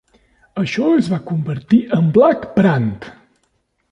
Això es va convertir en Black Brant.